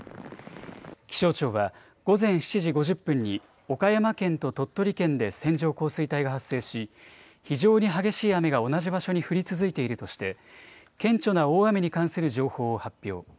気象庁は午前７時５０分に岡山県と鳥取県で線状降水帯が発生し、非常に激しい雨が同じ場所に降り続いているとして、顕著な大雨に関する情報を発表。